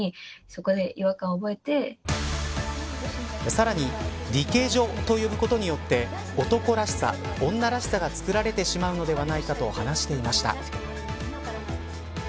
さらにリケジョと呼ぶことによって男らしさ、女らしさがつくられてしまうのではないかと話していました。